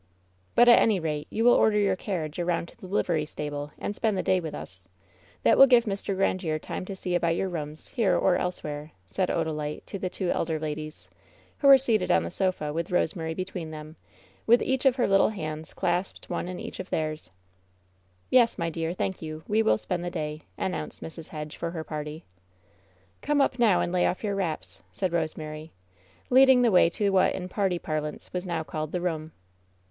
"But, at any rate, you will order your carriage around WHEN SHADOWS DIE 1S9 to the livery stable and spend the day with ns. That wiH ^ive Mr. Grandiere time to see about your rooms, here OP elsewhere," said Odalite to the two elder ladies, who were seated on the sofa, with Eosemary between them, with each of her little hands clasped one in each of theirs. "Yes, my dear, thank you, we will spend the day," announced Mrs. Hedge, for her party. "Come up now and lay off your wraps," said Rose mary, leading the way to what, in party parlance, was now called the room.